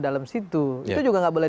dalam situ itu juga nggak boleh